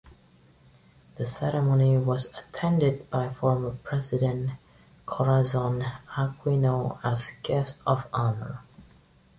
The ceremony was attended by former President Corazon Aquino as guest of honor.